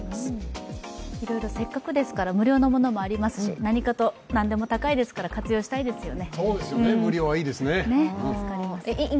せっかくですからいろいろ無料のものもありますし何かと何でも高いですから、活用したいですね。